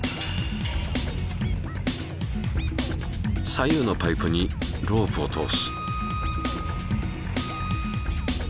左右のパイプにロープを通す。